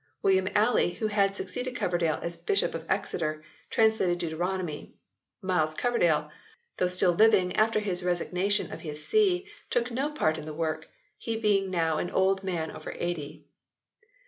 William Alley, who had succeeded Coverdale as Bishop of Exeter, translated Deuteronomy. Miles Coverdale, though still living after his resignation of his See, took no part in the work, he being now an old man over eighty.